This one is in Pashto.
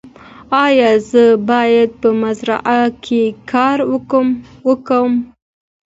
ایا زه باید په مزرعه کې کار وکړم؟